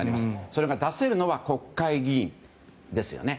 それが出せるのは国会議員ですよね。